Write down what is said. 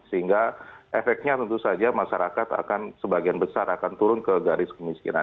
sehingga efeknya tentu saja masyarakat akan sebagian besar akan turun ke garis kemiskinan